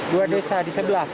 dua desa di sebelah